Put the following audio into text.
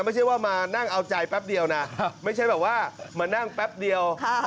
ไม่ใช่ว่ามานั่งเอาใจแป๊บเดียวนะไม่ใช่แบบว่ามานั่งแป๊บเดียว